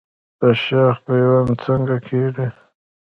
د شاخ پیوند څنګه کیږي؟